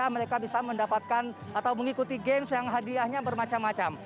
mereka bisa mendapatkan atau mengikuti games yang hadiahnya bermacam macam